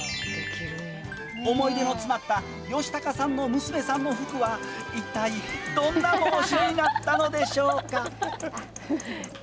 思い出の詰まったよしたかさんの娘さんの服は一体どんな帽子になったのでしょうか。